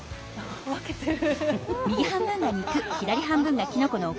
分けてる。